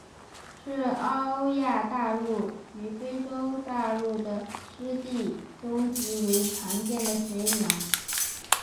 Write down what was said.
是欧亚大陆与非洲大陆的湿地中极为常见的水鸟。